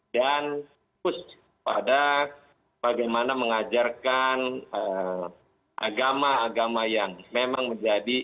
dan push pada bagaimana mengajarkan agama agama yang memang menjadi